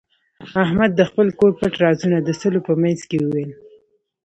احمد د خپل کور پټ رازونه د سلو په منځ کې وویل.